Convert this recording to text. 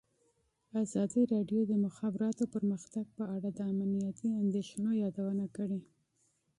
ازادي راډیو د د مخابراتو پرمختګ په اړه د امنیتي اندېښنو یادونه کړې.